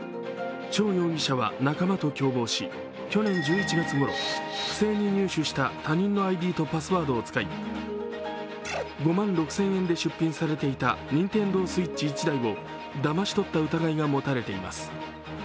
張容疑者は仲間と共謀し去年１１月ごろ不正に入手した他人のＩＤとパスワードを使い５万６０００円で出品されていたＮｉｎｔｅｎｄｏＳｗｉｔｃｈ１台をだまし取った疑いが持たれています。